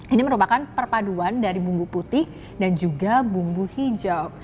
ini merupakan perpaduan dari bumbu putih dan juga bumbu hijau